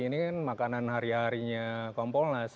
ini kan makanan hari harinya kompolnas